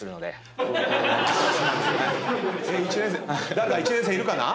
１年生１年生いるかな？